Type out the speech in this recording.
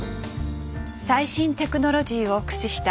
最新テクノロジーを駆使した